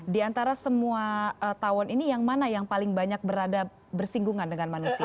di antara semua tawon ini yang mana yang paling banyak berada bersinggungan dengan manusia